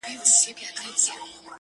پوهنتون ته سوه کامیاب مکتب یې خلاص کئ,